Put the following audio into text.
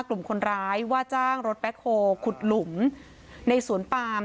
กลุ่มคนร้ายว่าจ้างรถแป๊ดโคคลุมในศูนย์ปาม